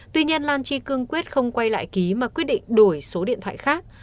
tuy nhiên lan chi cương quyết không quay lại ký mà quyết định đổi số điện thoại khác